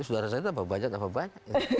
sudah rasa itu abah banyak abah banyak